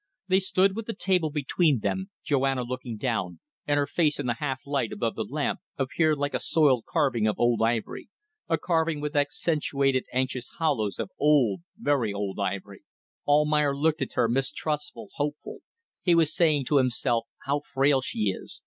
..." They stood with the table between them, Joanna looking down, and her face, in the half light above the lamp, appeared like a soiled carving of old ivory a carving, with accentuated anxious hollows, of old, very old ivory. Almayer looked at her, mistrustful, hopeful. He was saying to himself: How frail she is!